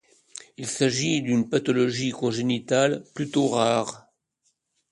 Il s'agit d'une pathologie congénitale plutôt rare.